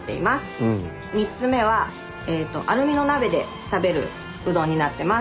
３つ目はアルミの鍋で食べるうどんになってます。